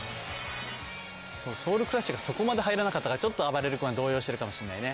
ソウルクラッシュがそこまで入らなかったからちょっとあばれる君は動揺してるかもしれないね。